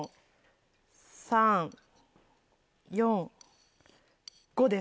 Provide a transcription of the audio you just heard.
３・４５です。